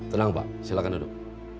tenang pak silahkan duduk